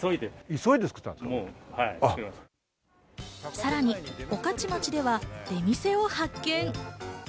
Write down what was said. さらに御徒町では出店を発見。